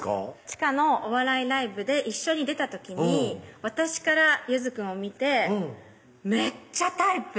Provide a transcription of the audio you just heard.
地下のお笑いライブで一緒に出た時に私からゆずくんを見てめっちゃタイプ！